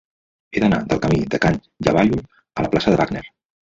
He d'anar del camí de Can Llavallol a la plaça de Wagner.